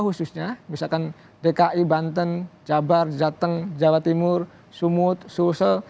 khususnya misalkan dki banten jabar jateng jawa timur sumut sulsel